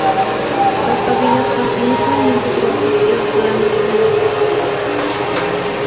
Los tobillos son inusualmente gruesos y las falanges grandes.